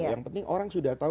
yang penting orang sudah tahu